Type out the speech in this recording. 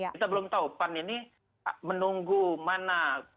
kita belum tahu pan ini menunggu mana